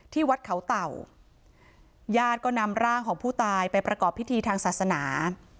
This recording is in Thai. วัดเขาเต่าญาติก็นำร่างของผู้ตายไปประกอบพิธีทางศาสนา